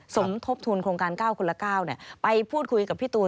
สมทบทุนโครงการ๙คนละ๙ไปพูดคุยกับพี่ตูน